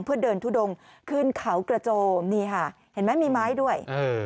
เพื่อเดินทุดงขึ้นเขากระโจมนี่ค่ะเห็นไหมมีไม้ด้วยเออ